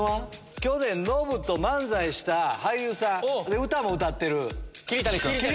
去年ノブと漫才した俳優さん歌も歌ってる。